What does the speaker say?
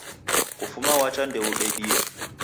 Kufuma wacha ndeudedie